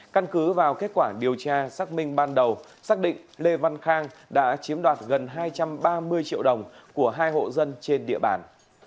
căn cứ vào kết quả điều tra xác minh ban đầu xác định lê văn khang đã chiếm đoạt gần hai trăm ba mươi triệu đồng của hai hộ dân trên địa bàn